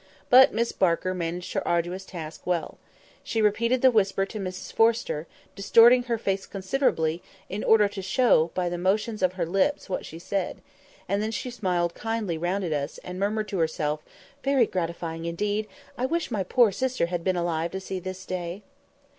But Miss Barker managed her arduous task well. She repeated the whisper to Mrs Forrester, distorting her face considerably, in order to show, by the motions of her lips, what was said; and then she smiled kindly all round at us, and murmured to herself, "Very gratifying, indeed; I wish my poor sister had been alive to see this day."